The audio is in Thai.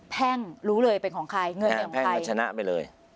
แพ่งรู้เลยเป็นของใครเงินเป็นของใครแพ่งจะชนะไปเลย